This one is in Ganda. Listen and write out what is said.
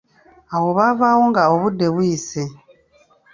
Awo baavaawo nga obudde buyise.